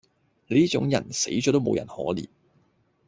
你呢種人死左都無人可憐